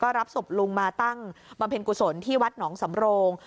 รับศพลุงมาตั้งบำเพ็ญกุศลที่วัดหนองสำโรง